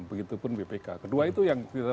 begitu pun bpk kedua itu yang kita